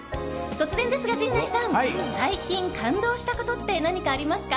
突然ですが、陣内さん！最近感動したことって何かありますか？